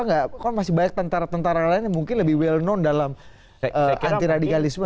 enggak kau masih baik tentara tentara lainnya mungkin lebih well known dalam antiradikalisme